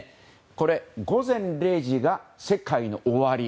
これ、午前０時が世界の終わり。